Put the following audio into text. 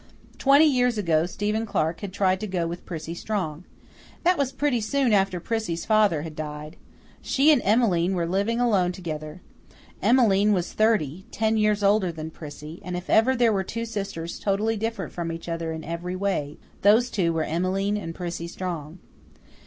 Twenty years ago Stephen Clark had tried to go with Prissy Strong. That was pretty soon after Prissy's father had died. She and Emmeline were living alone together. Emmeline was thirty, ten years older than Prissy, and if ever there were two sisters totally different from each other in every way, those two were Emmeline and Prissy Strong.